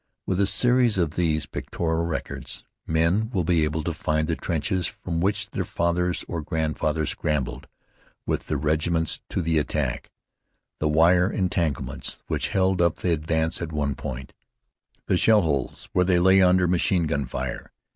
With a series of these pictorial records, men will be able to find the trenches from which their fathers or grandfathers scrambled with their regiments to the attack, the wire entanglements which held up the advance at one point, the shell holes where they lay under machine gun fire.